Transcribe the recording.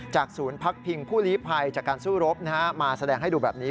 จากศูนย์ภักดิ์พิงพุธรีภัยจากการสู้รบนะฮะมาแสดงให้ดูแบบนี้